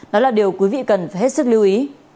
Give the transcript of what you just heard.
nó là điều quý vị cần hết sức lưu ý